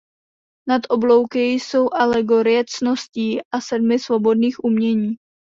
Nad oblouky jsou alegorie ctností a sedmi svobodných umění.